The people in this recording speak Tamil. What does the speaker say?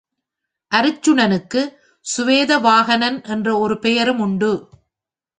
அருச்சுனனுக்குச் சுவேத வாகனன் என்ற ஒரு பெயரும் உண்டு.